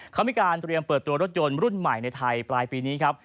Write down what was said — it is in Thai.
เขามีการเตรียมเปิดตัวรถยนต์รุ่นใหม่ในไทยปลายปีนี้ครับ